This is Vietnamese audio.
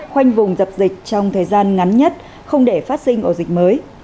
khoanh vùng dập dịch trong thời gian ngắn nhất không để phát sinh ổ dịch mới